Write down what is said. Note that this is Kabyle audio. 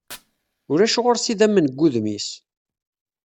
Ulac ɣur-s idamen deg wudem-is.